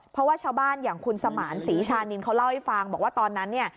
เพราะว่าชาวบ้านอย่างคุณสมานศรีชานินเขาเล่าให้ฟังบอกว่าตอนนั้นเนี่ย